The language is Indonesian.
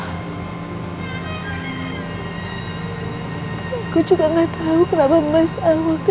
aku juga gak tau kenapa mas awal